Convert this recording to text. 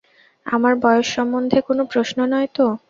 আমার বয়স সম্বন্ধে কোনো প্রশ্ন নয় তো?